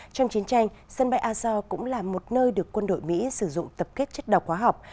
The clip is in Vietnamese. trong chiến tranh sân bay azo cũng là một nơi được quân đội mỹ sử dụng tập kết chất độc hóa học